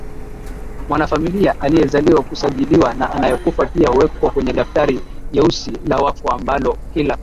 mwanafamilia anayezaliwa husajiliwa na anayekufa pia huwekwa kwenye daftari ljeusi la wafu ambalo kila